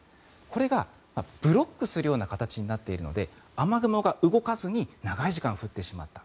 これがブロックするような形になっているので雨雲が動かずに長い時間、降ってしまった。